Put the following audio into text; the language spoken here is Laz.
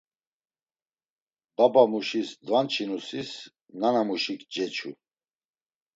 Babamuşis dvanç̌inusis nanamuşik ceçu.